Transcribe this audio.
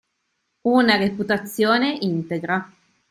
Una reputazione integra.